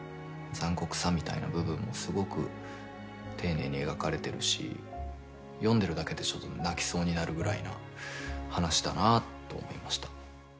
残酷さみたいな部分もすごく丁寧に描かれてるし読んでるだけで泣きそうになるぐらいな話だなと思いました。